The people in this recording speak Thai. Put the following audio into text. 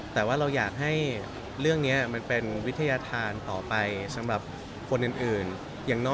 แต่ว่าเราอยากให้เรื่องนี้มันเป็นวิทยาธารต่อไปสำหรับคนอื่นอย่างน้อย